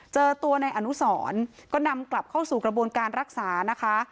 เจอตัวในอนุสรก็นำกลับเข้าสู่กระบวนการรักษานะคะ